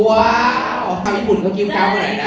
ว้าวทำญี่ปุ่นก็กิวเกาะก็เลยนะ